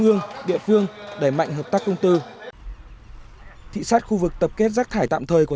ương địa phương đẩy mạnh hợp tác công tư thị sát khu vực tập kết rác thải tạm thời của